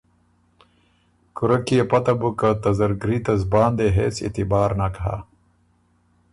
کُورۀ کی يې پته بُک که ته زرګري ته زبان دې هېڅ اعتبار نک هۀ۔